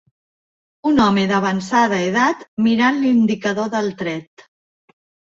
Un home d"avançada edat mirant l"indicador del tret.